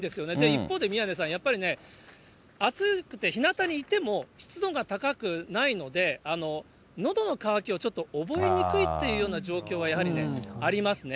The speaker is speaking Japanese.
一方で、宮根さん、やっぱりね、暑くて、ひなたにいても、湿度が高くないので、のどの渇きをちょっと覚えにくいというような状況はね、やはりね、ありますね。